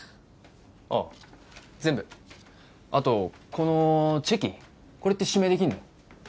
あっ全部あとこの「チェキ」これって指名できんの？